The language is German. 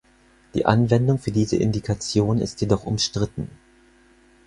Die Anwendung für diese Indikation ist jedoch umstritten.